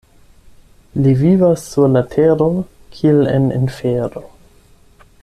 Li vivas sur la tero kiel en infero.